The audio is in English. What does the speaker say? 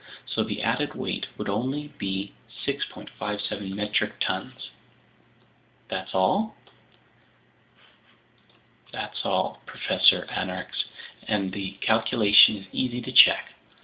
So the added weight would only be 6.57 metric tons." "That's all?" "That's all, Professor Aronnax, and the calculation is easy to check.